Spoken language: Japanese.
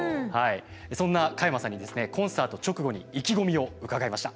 そんな加山さんにですねコンサート直後に意気込みを伺いました。